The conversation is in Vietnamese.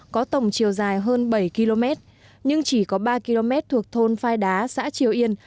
có tổng chiều dài hơn bảy km nhưng chỉ có ba km thuộc thôn phai đá xã triều yên